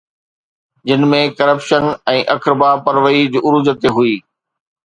جن ۾ ڪرپشن ۽ اقربا پروري عروج تي هئي.